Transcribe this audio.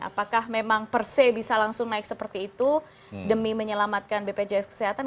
apakah memang perse bisa langsung naik seperti itu demi menyelamatkan bpjs kesehatan